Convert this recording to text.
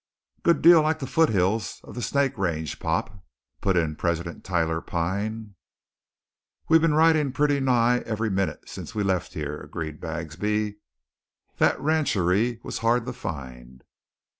"Good deal like the foothills of th' Snake Range, pop," put in President Tyler Pine. "We been riding purty nigh every minute sence we left here," agreed Bagsby. "That rancheree was hard to find."